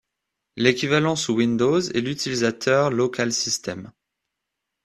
L'équivalent sous Windows est l'utilisateur 'Local System'.